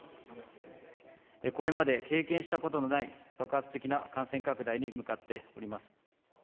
これまで経験したことのない爆発的な感染拡大に向かっております。